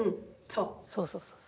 そうそうそうそう。